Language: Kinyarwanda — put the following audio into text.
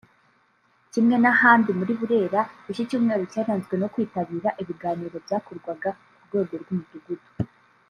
Kimwe n’ahandi muri Burera iki cyumweru cyaranzwe no kwitabira ibiganiro byakorwaga ku rwego rw’umudugudu